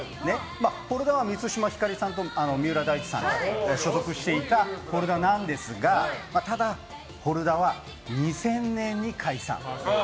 Ｆｏｌｄｅｒは満島ひかりさんと三浦大知さんが所属していたＦｏｌｄｅｒなんですがただＦｏｌｄｅｒは２０００年に解散。